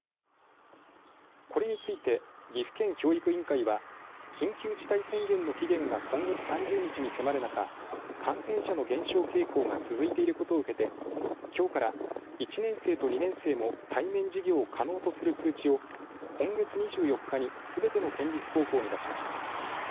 これについて岐阜県教育委員会は緊急事態宣言の期限が今月３０日に迫る中感染者の減少傾向が続いていることを受けてきょうから、１年生と２年生も対面授業を可能とする通知を今月２４日にすべての県立高校に出しました。